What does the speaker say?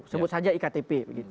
sebut saja iktp